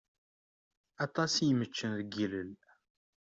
Aṭas i yemeččen deg ilel.